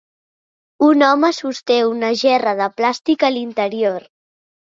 Un home sosté una gerra de plàstic a l'interior.